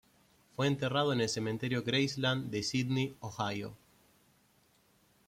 Fue enterrado en el Cementerio Graceland de Sidney, Ohio.